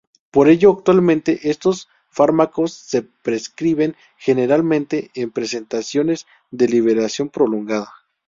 Por ello actualmente estos fármacos se prescriben generalmente en presentaciones de liberación prolongada.